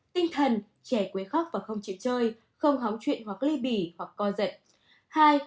một tinh thần trẻ quấy khóc và không chịu chơi không hóng chuyện hoặc ly bỉ hoặc co dậy